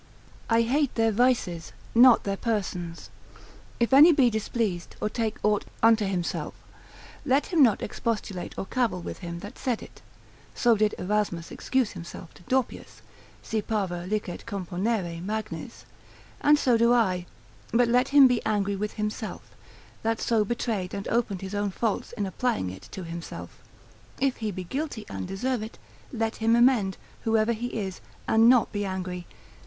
I hate their vices, not their persons. If any be displeased, or take aught unto himself, let him not expostulate or cavil with him that said it (so did Erasmus excuse himself to Dorpius, si parva licet componere magnis) and so do I; but let him be angry with himself, that so betrayed and opened his own faults in applying it to himself: if he be guilty and deserve it, let him amend, whoever he is, and not be angry.